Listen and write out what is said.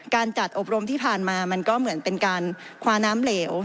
การจัดอบรมที่ผ่านมามันก็เหมือนเป็นการคว้าน้ำเหลว